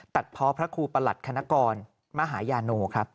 ตัดพอพระครูประหลัดคณะกรมหาญาโนครับ